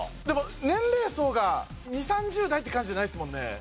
でも年齢層が２０３０代って感じじゃないですもんね。